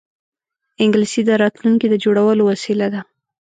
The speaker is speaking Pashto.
انګلیسي د راتلونکې د جوړولو وسیله ده